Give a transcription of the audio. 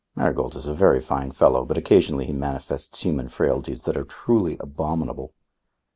Marigold is a very fine fellow, but occasionally he manifests human frailties that are truly abominable.